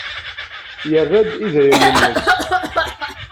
Yerra-d idrimen-nnes.